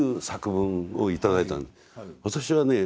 私はね